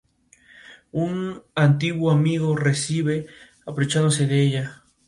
La policía dictaminó que se trataba de un accidente.